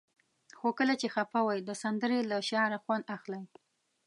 خو کله چې خفه وئ د سندرې له شعره خوند اخلئ.